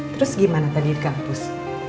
terus gimana tadi di kampus